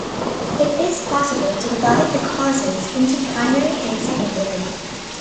It is possible to divide the causes into primary and secondary.